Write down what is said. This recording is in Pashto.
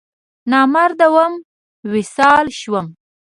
نامراده وم، وصال شوم